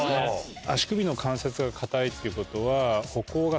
足首の関節が硬いっていうことは。